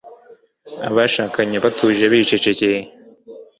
Abashakanye batuje bicecekeye